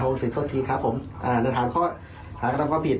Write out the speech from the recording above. โอศิษย์ทดทิครับผมในฐานข้อหากต้องการผิด